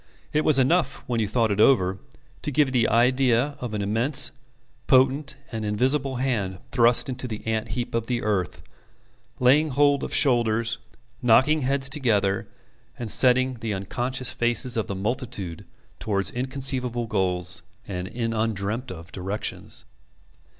It was enough, when you thought it over, to give you the idea of an immense, potent, and invisible hand thrust into the ant heap of the earth, laying hold of shoulders, knocking heads together, and setting the unconscious faces of the multitude towards inconceivable goals and in undreamt of directions.